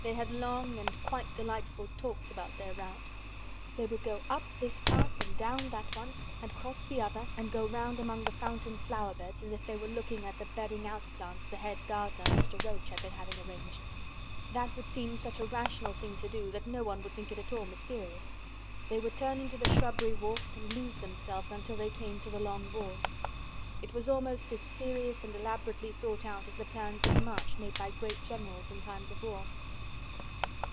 They had long and quite delightful talks about their route. They would go up this path and down that one and cross the other and go round among the fountain flower beds as if they were looking at the "bedding out plants" the head gardener, Mr. Roach, had been having arranged. That would seem such a rational thing to do that no one would think it at all mysterious. They would turn into the shrubbery walks and lose themselves until they came to the long walls. It was almost as serious and elaborately thought out as the plans of march made by great generals in time of war.